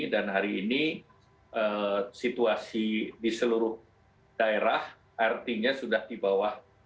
dan hari ini situasi di seluruh daerah artinya sudah di bawah